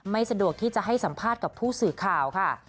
สะดวกที่จะให้สัมภาษณ์กับผู้สื่อข่าวค่ะ